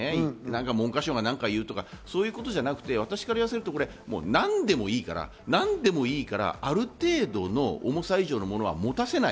文科省が何か言うとかそういうことじゃなくて私から言わせると、何でもいいからある程度の重さ以上のものは持たせない。